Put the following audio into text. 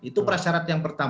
itu prasyarat yang pertama